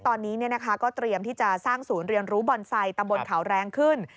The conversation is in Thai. ตอนนี้ก็เตรียมที่จะสร้างศูนย์เรียนรู้บอนไซต์ตำบลเขาแรงขึ้น